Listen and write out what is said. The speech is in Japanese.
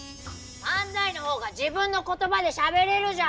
漫才の方が自分の言葉でしゃべれるじゃん！